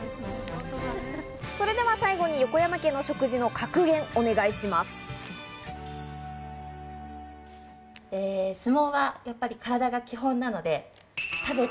それでは最後に横山家の食事の格言、お願いします。